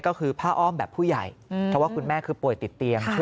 ก็คือผ้าอ้อมแบบผู้ใหญ่เพราะว่าคุณแม่คือป่วยติดเตียง